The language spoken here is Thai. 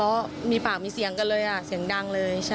ก็ทะเลาะมีปากมีเสียงกันเลยเสียงดังเลยใช่